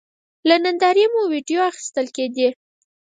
له نندارې مو وېډیو اخیستل کېدې.